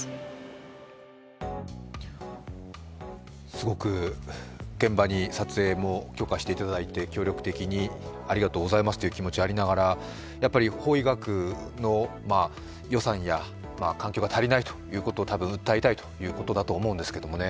すごく現場に撮影も許可していただいて協力的にありがとうございますという気持ちがありながらやっぱり法医学の予算や環境が足りないということを多分訴えたいということだと思うんですけどね